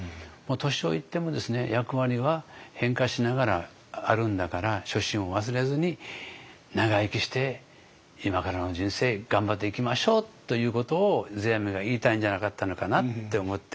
年老いても役割は変化しながらあるんだから初心を忘れずに長生きして今からの人生頑張っていきましょうということを世阿弥が言いたいんじゃなかったのかなって思って。